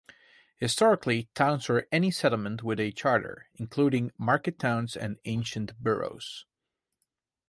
Historically, towns were any settlement with a charter, including market towns and ancient boroughs.